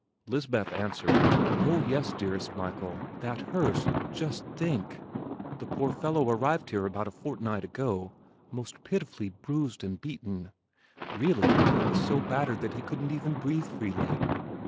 Lisbeth answered, "Oh yes, dearest Michael that Herse! Just think! The poor fellow arrived here about a fortnight ago, most pitifully bruised and beaten; really, he was so battered that he couldn't even breathe freely.